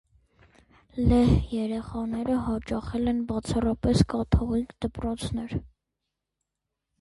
Լեհ երեխաները հաճախել են բացառապես կաթոլիկ դպրոցներ։